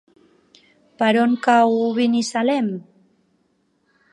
Per on cau Binissalem?